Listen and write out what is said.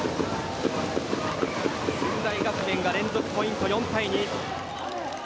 駿台学園が連続ポイント４対２。